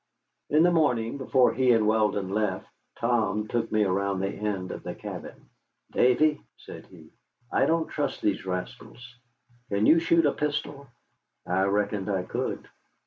In the morning, before he and Weldon left, Tom took me around the end of the cabin. "Davy," said he, "I don't trust these rascals. Kin you shoot a pistol?" I reckoned I could.